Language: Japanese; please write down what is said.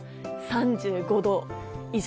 ３５度以上。